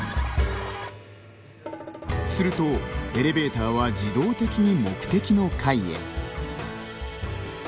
するとエレベーターは自動的に目的の階へ。